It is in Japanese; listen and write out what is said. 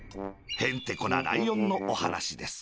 へんてこなライオンのおはなしです